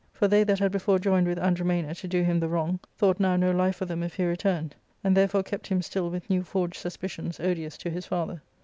For they that had before joined with Andromana to do him the wrong thought now no life for them if he returned, and therefore kept him still with new forged suspicions odious to his father.